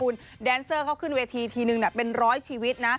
คุณแดนเซอร์เขาขึ้นเวทีทีนึงเป็นร้อยชีวิตนะ